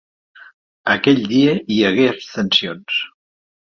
Aquell dia hi hagué abstencions.